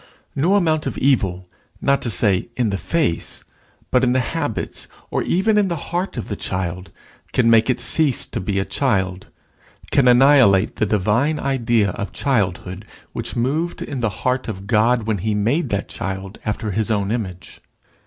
No amount of evil, not to say in the face, but in the habits, or even in the heart of the child, can make it cease to be a child, can annihilate the divine idea of childhood which moved in the heart of God when he made that child after his own image.